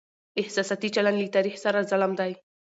احساساتي چلند له تاريخ سره ظلم دی.